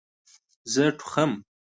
زه ټوخم